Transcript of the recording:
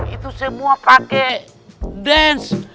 itu semua pakai dance